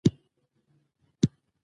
سرعت د جسم فعالیت بیانوي.